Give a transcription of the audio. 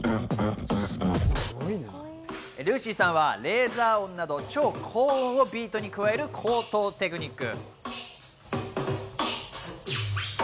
ＲＵＳＹさんはレーザー音など、超高音をビートに加える高等テクニック。